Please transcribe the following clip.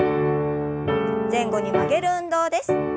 前後に曲げる運動です。